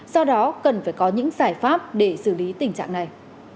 do đó cần phải có những giải pháp để xử lý tình trạng này